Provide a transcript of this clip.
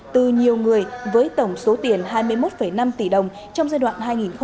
từ nhiều người với tổng số tiền hai mươi một năm tỷ đồng trong giai đoạn hai nghìn hai mươi hai nghìn hai mươi một